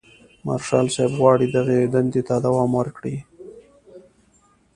مارشال صاحب غواړي دغې دندې ته دوام ورکړي.